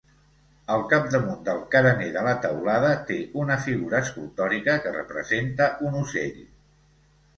Al capdamunt del carener de la teulada té una figura escultòrica que representa un ocell.